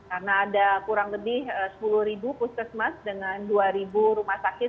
ada kurang lebih sepuluh puskesmas dengan dua rumah sakit